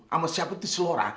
sama siapa tuh selora